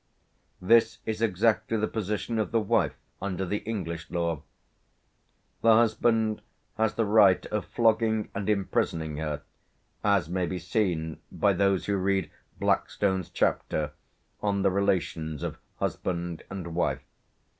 This is exactly the position of the wife under the English law; the husband has the right of flogging and imprisoning her, as may be seen by those who read Blackstone's chapter on the relations of husband and wife.